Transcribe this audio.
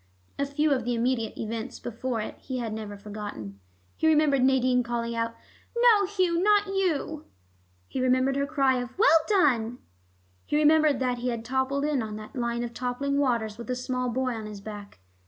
A few of the immediate events before it he had never forgotten. He remembered Nadine calling out, "No Hugh, not you," he remembered her cry of "Well done"; he remembered that he had toppled in on that line of toppling waters with a small boy on his back.